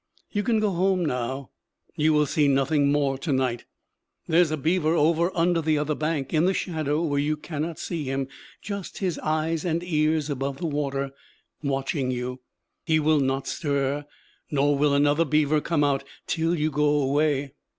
You can go home now; you will see nothing more to night. There's a beaver over under the other bank, in the shadow where you cannot see him, just his eyes and ears above water, watching you. He will not stir; nor will another beaver come out till you go away.